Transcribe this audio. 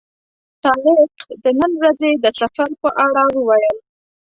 طارق د نن ورځې د سفر په اړه وویل.